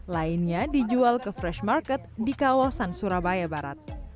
lainnya dijual ke fresh market di kawasan surabaya barat